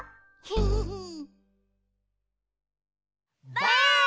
ばあっ！